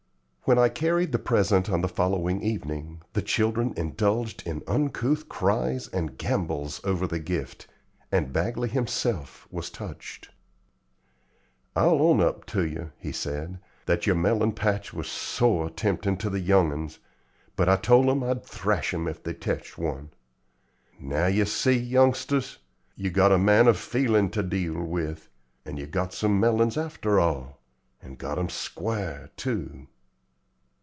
When I carried the present on the following evening, the children indulged in uncouth cries and gambols over the gift, and Bagley himself was touched. "I'll own up ter yer," he said, "that yer melon patch was sore temptin' to the young uns, but I tole 'em that I'd thrash 'em if they teched one. Now yer see, youngsters, ye've got a man of feelin' ter deal with, and yer've got some melons arter all, and got 'em squar', too."